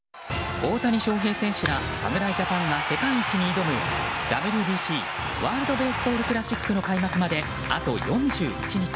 大谷翔平選手ら侍ジャパンが世界一に挑むＷＢＣ・ワールド・ベースボール・クラシックの開幕まであと４１日。